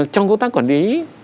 trong công tác quản lý